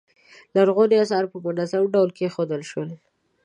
لرغوني اثار په منظم ډول کیښودل شول.